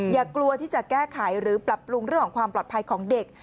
อย่ากลัวที่จะแก้ไขหรือปรับปรุงเรื่องของความปลอดภัยของเด็ก